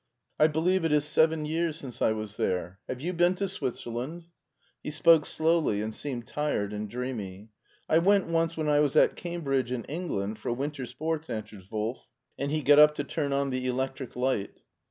I believe it is seven jrears since I was there. Have you been to Switzerland?" He spoke slowly, and seemed tired and dreamy. " I went once when I was at Cambridge in England, for winter sports," answered Wolf, and he got up to turn on the electric light.